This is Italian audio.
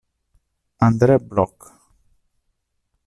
André Bloch